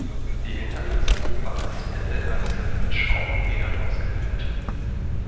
Die Hinterachse war als Pendelachse mit Schraubenfedern ausgebildet.